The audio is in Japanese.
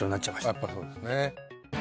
やっぱそうですね